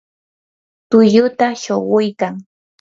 tulluta shuquykan.